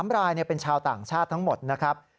๓รายเป็นชาวต่างชาติทั้งหมดนะครับ